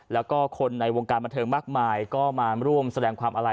แล้วก็คนในวงการบันเทิงมากมายก็มาร่วมแสดงความอาลัย